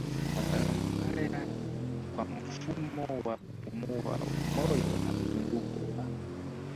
madhara mabaya kwa mfumo wa kupumua na wa moyo na mzunguko wa